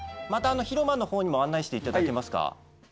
また広間のほうにも案内していただけますか？